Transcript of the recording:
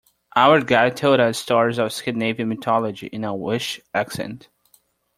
Our guide told us stories of Scandinavian mythology in a Welsh accent.